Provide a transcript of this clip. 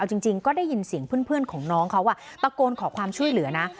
เอาจริงจริงก็ได้ยินเสียงเพื่อนเพื่อนของน้องเขาอ่ะตะโกนขอความช่วยเหลือนะ